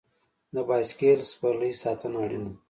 د بایسکل سپرلۍ ساتنه اړینه ده.